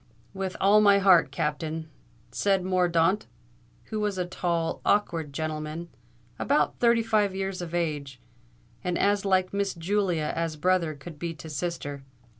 "With all my heart, Captain!" said Mordaunt, who was a tall, awkward gentleman, about thirty five years of age, and as like Miss Julia as brother could be to sister.